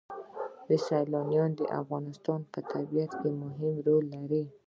سیلابونه د افغانستان په طبیعت کې مهم رول لري.